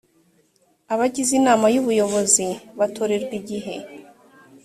abagize inama y ubuyobozi batorerwa igihe